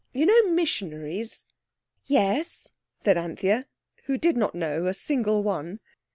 You know missionaries?" "Yes," said Anthea, who did not know a single one.